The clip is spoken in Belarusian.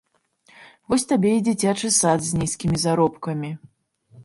Вось табе і дзіцячы сад з нізкімі заробкамі!